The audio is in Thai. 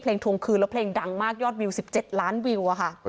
ทวงคืนแล้วเพลงดังมากยอดวิว๑๗ล้านวิวอะค่ะ